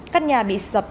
các nhà bị sập cao bốn tầng